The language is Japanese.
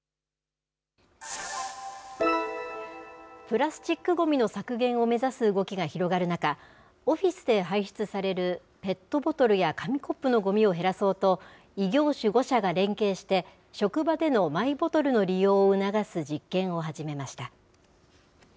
プラスチックごみの削減を目指す動きが広がる中、オフィスで排出されるペットボトルや紙コップのごみを減らそうと、異業種５社が連携して、職場でのマイボトルの利用を促す実験を始めました。